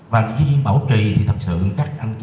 và khi bảo trì thì thật sự các anh chị